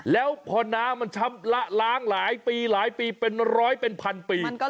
แล้วพอน้ำมันช้ำละล้างหลายปีหลายปีเป็นร้อยเป็นพันปี